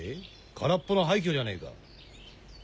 空っぽの廃虚じゃねえか。